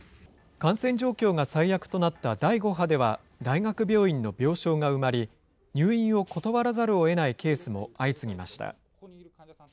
感染状況が最悪となった第５波では、大学病院の病床が埋まり、入院を断らざるをえないケースも相次ぎました。